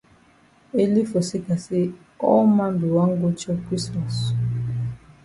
Ele for seka say all man be wan go chop krismos.